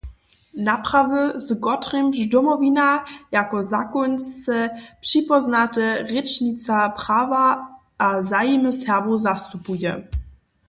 Naprawy, z kotrymiž Domowina jako zakońsce připóznata rěčnica prawa a zajimy Serbow zastupuje.